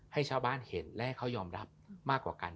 ให้ชาวบ้านเห็นและให้เขายอมรับมากกว่ากัน